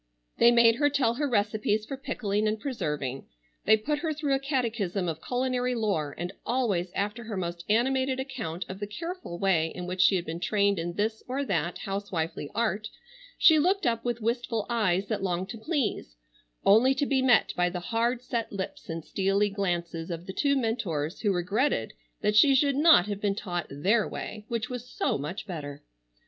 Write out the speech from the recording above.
They made her tell her recipes for pickling and preserving. They put her through a catechism of culinary lore, and always after her most animated account of the careful way in which she had been trained in this or that housewifely art she looked up with wistful eyes that longed to please, only to be met by the hard set lips and steely glances of the two mentors who regretted that she should not have been taught their way which was so much better.